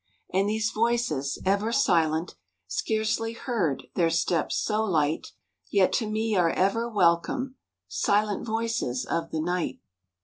And these voices, ever silent, Scarcely heard, their steps so light; Yet, to me are ever welcome; Silent voices of the night.